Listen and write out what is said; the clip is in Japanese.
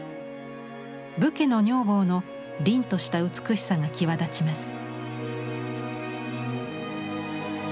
武家の女房のりんとした美しさが際立ちます。